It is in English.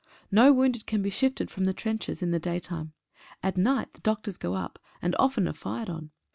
No wounded can be shifted from the trenches in the day time. At night the doctors go up, and often are fired on.